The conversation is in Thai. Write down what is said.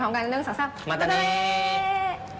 โอเคงั้นมาตั้งนี้พร้อมกัน๑๒๓บ๊ายบาย